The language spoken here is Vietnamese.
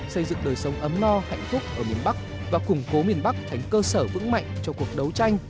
xây dựng đời sống ấm no hạnh phúc ở miền bắc và củng cố miền bắc thành cơ sở vững mạnh cho cuộc đấu tranh